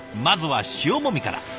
まずは塩もみから。